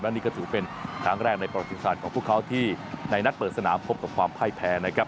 นี่ก็ถือเป็นครั้งแรกในประวัติศาสตร์ของพวกเขาที่ในนัดเปิดสนามพบกับความพ่ายแพ้นะครับ